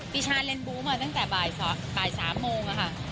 ปีชาเล่นบู๊มาตั้งแต่บ่าย๓โมงค่ะ